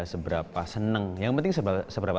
seberapa seneng yang penting seberapa